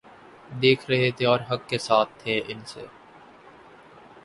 دیکھ رہے تھے اور حق کے ساتھ تھے ان سے